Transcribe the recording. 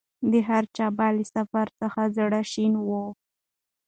د هرچا به له سفر څخه زړه شین وو